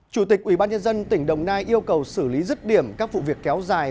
chủ tịch ubnd tỉnh đồng nai yêu cầu xử lý rứt điểm các vụ việc kéo dài